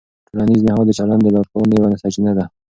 ټولنیز نهاد د چلند د لارښوونې یوه سرچینه ده.